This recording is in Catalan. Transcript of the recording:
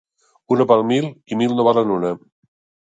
Una val mil i mil no valen una.